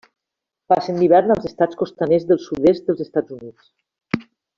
Passen l'hivern als Estats costaners del sud-est dels Estats Units.